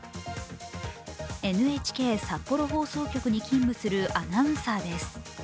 ＮＨＫ札幌放送局に勤務するアナウンサーです。